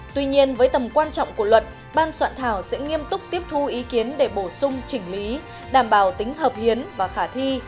tuy nhiên với tầm quan trọng của luật ban soạn thảo sẽ nghiêm túc tiếp thu ý kiến để bổ sung chỉnh lý đảm bảo tính hợp hiến và khả thi